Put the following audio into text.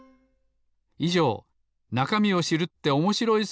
いじょう「なかみを知るっておもしろい！